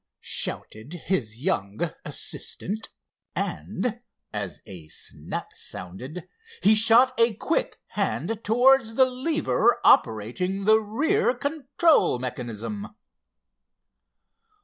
shouted his young assistant and, as a snap sounded he shot a quick hand towards the lever operating the rear control mechanism.